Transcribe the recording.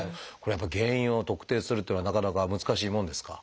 やっぱり原因を特定するというのはなかなか難しいもんですか？